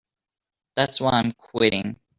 That's why I'm quitting.